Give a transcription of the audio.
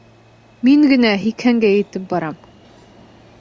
Мин генә һикһәнгә етеп барам.